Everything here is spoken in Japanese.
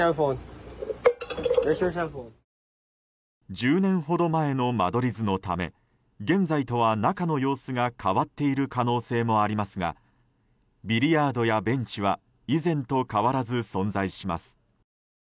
１０年ほど前の間取り図のため現在とは中の様子が変わっている可能性もありますがビリヤードやベンチは以前と変わらず存在します。